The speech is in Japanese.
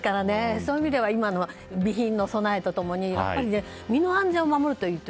そういう意味では備品の備えと共にやっぱり身の安全を守るといいと。